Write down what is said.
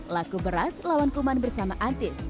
laku berat lawan kuman bersama antis